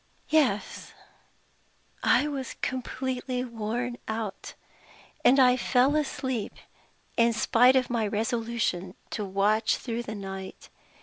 "Yes. I was completely worn out; and I fell asleep, in spite of my resolution to watch through the night.